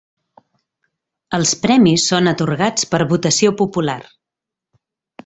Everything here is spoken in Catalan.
Els premis són atorgats per votació popular.